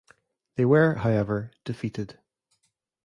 They were, however, defeated.